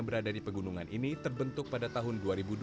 yang berada di pegunungan ini terbentuk pada tahun dua ribu dua